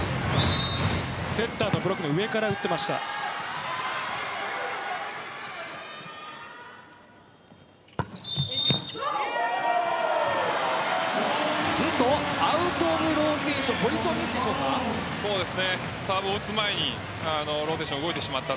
セッターのブロックの上から打っていました。